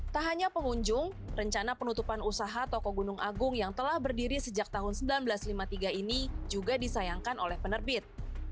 tak hanya pengunjung rencana penutupan usaha toko gunung agung yang telah berdiri sejak tahun seribu sembilan ratus lima puluh tiga ini juga disayangkan oleh penerbit